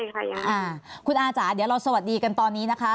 คุณอาจ๋าเดี๋ยวเราสวัสดีกันตอนนี้นะคะ